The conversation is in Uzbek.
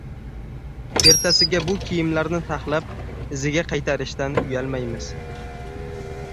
Ertasiga bu kiyimlarni taxlab iziga qaytarishdan uyalmaymiz?